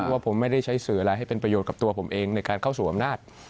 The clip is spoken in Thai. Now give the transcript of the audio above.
ว่าผมไม่ได้ใช้สื่ออะไรให้เป็นประโยชน์กับตัวผมเองในการเข้าสู่อำนาจ